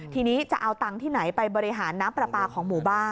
ทีนี้จะเอาตังค์ที่ไหนไปบริหารน้ำปลาปลาของหมู่บ้าน